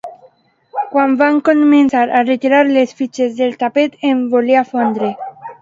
Quan van començar a retirar les fitxes del tapet em volia fondre.